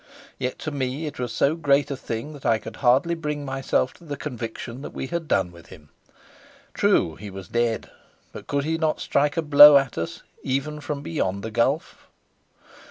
Yet to me it was so great a thing that I could hardly bring myself to the conviction that we had done with him. True, he was dead; but could he not strike a blow at us even from beyond the gulf?